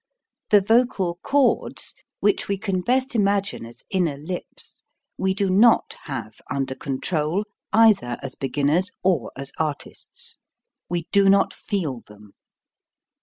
The vocal cords, which we can best imagine as inner lips, we do not have under control either as beginners or as artists. We do not feel them.